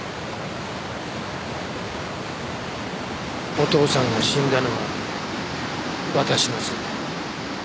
「お父さんが死んだのは私のせい」。